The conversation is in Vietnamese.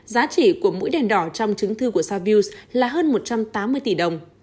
giá trị của mũi đèn đỏ trong chứng thư của savils là hơn một trăm tám mươi tỷ đồng